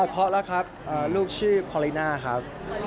เพราะแล้วครับลูกชื่อคอลิน่าครับ